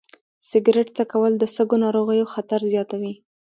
سګرټ څکول د سږو ناروغیو خطر زیاتوي.